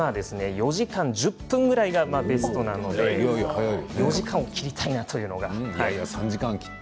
４時間１０分ぐらいなので４時間を切りたいなと思って。